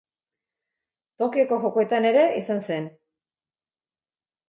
Tokioko Jokoetan ere izan zen